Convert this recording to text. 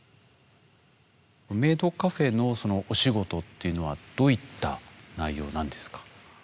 メイドカフェのお仕事っていうのはどういった内容なんですか？